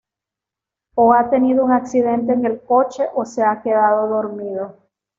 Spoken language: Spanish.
O ha tenido un accidente en el coche o se ha quedado dormido.